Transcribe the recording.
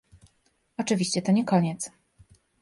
Oczywiście to nie koniec